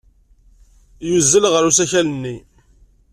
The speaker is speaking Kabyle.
Yuzzel ɣer usakal-nni.